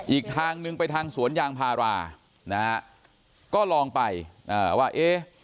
อีกทางนึงไปทางสวนยางพารานะฮะก็ลองไปว่าเอ๊ะ